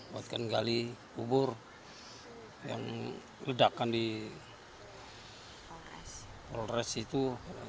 buatkan gali kubur yang ledakan di polres itu